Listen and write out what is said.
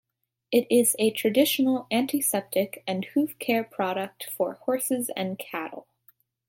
It is a traditional antiseptic and hoof care product for horses and cattle.